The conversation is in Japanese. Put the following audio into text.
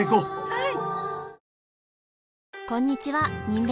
はい。